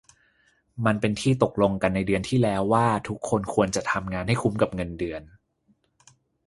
มันเป็นที่ตกลงกันในเดือนที่แล้วว่าทุกคนควรจะทำงานให้คุ้มกับเงินเดือน